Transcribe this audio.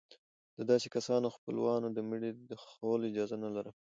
د داسې کسانو خپلوانو د مړي د ښخولو اجازه نه لرله.